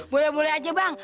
boleh boleh aja bang